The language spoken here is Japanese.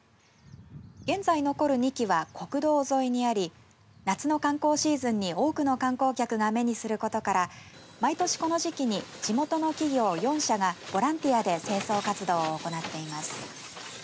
現在残る２基は国道沿いにあり夏の観光シーズンに多くの観光客が目にすることから毎年この時期に地元の企業４社がボランティアで清掃活動を行っています。